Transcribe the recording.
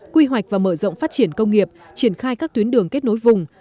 quy hoạch và mở rộng phát triển công nghiệp triển khai các tuyến đường kết nối vùng